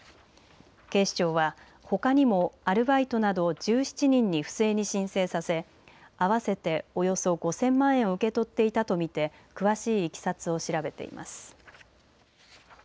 警視庁はほかにもアルバイトなど１７人に不正に申請させ合わせておよそ５０００万円を受け取っていたと見て詳しいいきさつを調べています。